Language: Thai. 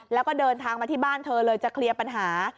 แล้วก็เดินทางมาที่บ้านเธอเลยจะเคลียร์ปัญหา